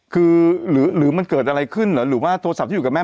คือหรือมันเกิดอะไรขึ้นหรือว่าโทรศัพท์ที่อยู่กับแม่